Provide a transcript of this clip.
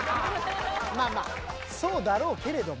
まあまあそうだろうけれども。